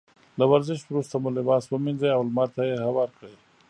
له ورزش وروسته مو لباس ومينځئ او لمر ته يې هوار کړئ.